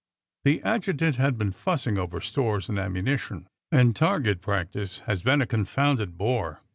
The adjutant has been fussing over stores and ammunition, and target practice has been a confounded bore.